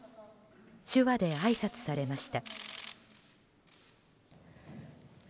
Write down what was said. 手話であいさつされました。